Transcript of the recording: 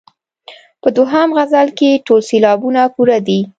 په دوهم غزل کې ټول سېلابونه پوره دي.